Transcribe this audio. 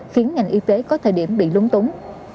khiến ngành y tế có thời điểm bị lúng túng